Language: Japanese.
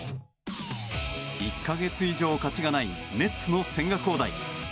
１か月以上、勝ちがないメッツの千賀滉大。